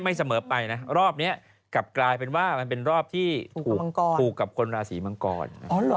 เสมอไปนะรอบนี้กลับกลายเป็นว่ามันเป็นรอบที่ถูกกับคนราศีมังกร